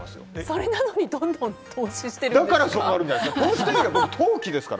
それなのにどんどん投資してるんですか？